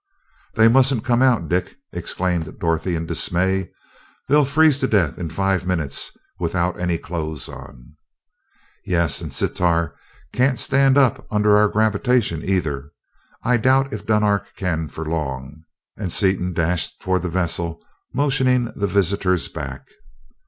"They mustn't come out, Dick!" exclaimed Dorothy in dismay. "They'll freeze to death in five minutes without any clothes on!" "Yes, and Sitar can't stand up under our gravitation, either I doubt if Dunark can, for long," and Seaton dashed toward the vessel, motioning the visitor back.